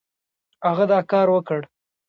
هغه دا کار وکړ.